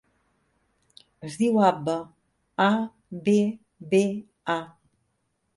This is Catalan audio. Es diu Abba: a, be, be, a.